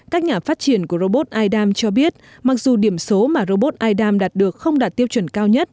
các nhà phát triển của robot idam cho biết mặc dù điểm số mà robot idam đạt được không đạt tiêu chuẩn cao